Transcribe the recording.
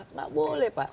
nggak boleh pak